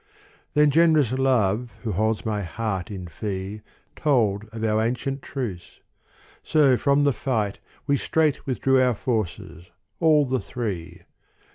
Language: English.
Then generous Love who holds my heart in fee Told of our ancient truce : so from the fight We straight withdrew our forces, all the three.